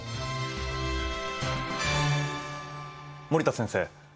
森田先生